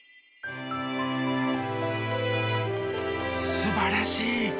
すばらしい。